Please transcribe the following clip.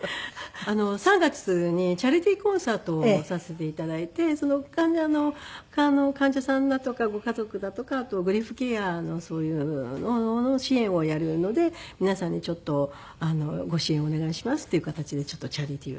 ３月にチャリティーコンサートをさせて頂いて患者さんだとかご家族だとかあとグリーフケアのそういうのの支援をやるので皆さんにちょっとご支援お願いしますという形でチャリティーを。